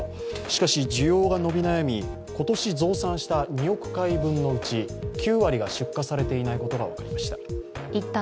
しかし需要が伸び悩み、今年増産した２億回分のうち、９割が出荷されていないことが分かりました。